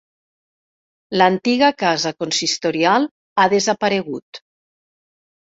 L'antiga casa consistorial ha desaparegut.